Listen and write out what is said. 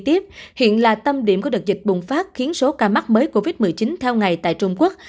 tiếp hiện là tâm điểm của đợt dịch bùng phát khiến số ca mắc mới covid một mươi chín theo ngày tại trung quốc